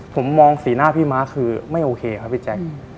ผมมองสีหน้าพี่ม้าคือไม่โอเคครับพี่แจ๊ค